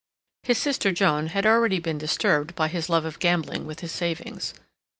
His sister Joan had already been disturbed by his love of gambling with his savings.